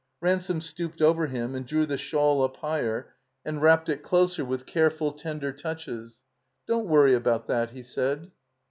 Ransome stooped over him and drew the shawl up higher and wrapped it closer with careftd, tender touches. "Doa't worry about that," he said.